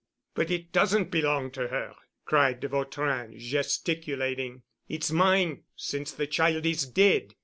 "But it doesn't belong to her," cried de Vautrin, gesticulating. "It's mine since the child is dead.